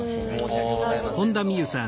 申し訳ございませんと。